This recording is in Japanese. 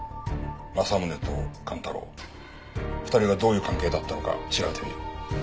政宗と寛太郎２人はどういう関係だったのか調べてみる。